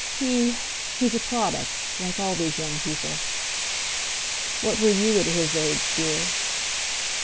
"He—he's a product—like all these young people." "What were you at his age, dear?"